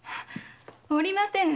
おりませぬ！